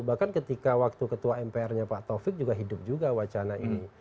bahkan ketika waktu ketua mpr nya pak taufik juga hidup juga wacana ini